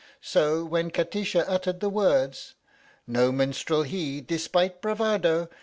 So when Kati sha uttered the words: No minstrel he, despite bravado